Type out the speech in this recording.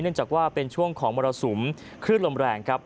เนื่องจากว่าเป็นช่วงของมรสุมคลื่นลมแรง